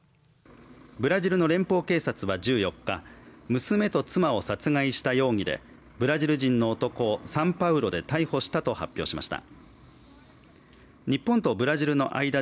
ブラジルの連邦警察は１４日、娘と妻を殺害した容疑でブラジル人の男をサンパウロで逮捕したと発表しました。